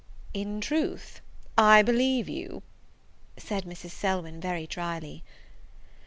"In truth I believe you!" said Mrs. Selwyn, very drily.